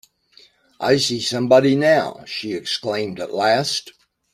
‘I see somebody now!’ she exclaimed at last.